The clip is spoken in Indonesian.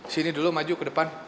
sini dulu maju ke depan